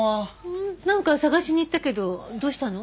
なんか捜しに行ったけどどうしたの？